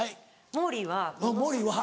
「モーリーは」